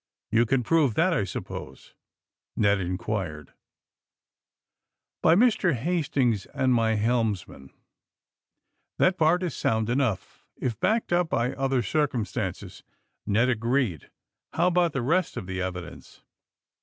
"You can prove that, I suppose?" Ned in (^uired. 222 THE SUBMAEINE BOYS ''By Mr. Hastings and my lieltosman, '* ''That part is soiincl enougli, if backed up by other circumstances/' Ned agreed. ''How about the rest of tlie evidence!"